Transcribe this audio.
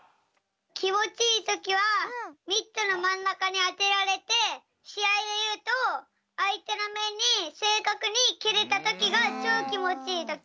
きもちいいときはミットのまんなかにあてられてしあいでいうとあいてのめんにせいかくにけれたときがチョーきもちいいとき。